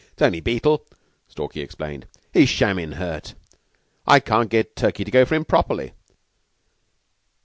"It's only Beetle," Stalky explained. "He's shammin' hurt. I can't get Turkey to go for him properly."